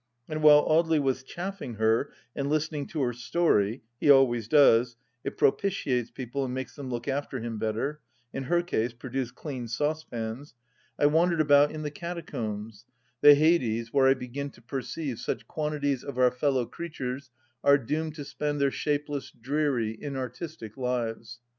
And while Audely was chaffing her and listening to " her story "—he always does ; it propitiates people and makes them look after him better; in her case, produce clean saucepans — I wandered about in THE LAST DITCH 123 the catacombs, the Hades where I begin to perceive such quantities of our fellow creatures are doomed to spend their shapeless, dreary, inartistic lives.